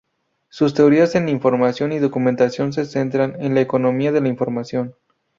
Sus teorías en Información y Documentación se centran en la economía de la información.